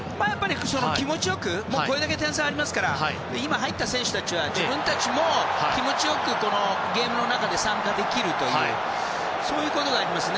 気持ち良くこれだけ点差がありますから今、入った選手は自分たちも気持ち良くゲームに参加できることもありますね。